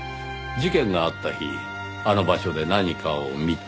事件があった日あの場所で何かを見た。